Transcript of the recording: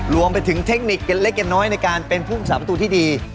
รวมไปถึงเทคนิคเล็กน้อยในการเป็นผู้รักษาประตูที่ดี